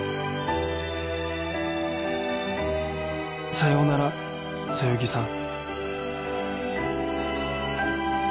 さようならそよぎさん